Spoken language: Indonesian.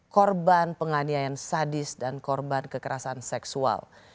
korban penganiayaan sadis dan korban kekerasan seksual